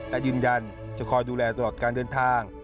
และยืนยันจะคอยดูแลตลอดการเดินทาง